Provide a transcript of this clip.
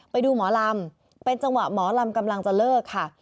ไปดูหมอลำเป็นจังหวะหมอลำกำลังจะเลิกค่ะ